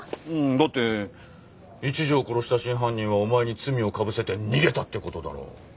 だって一条を殺した真犯人はお前に罪をかぶせて逃げたって事だろ？